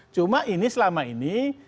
cuma ini selama ini